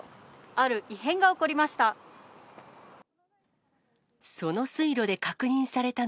ある異変が起こりました。